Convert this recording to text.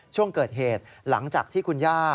ช่วงเกิดเหตุหลังจากที่คุณย่า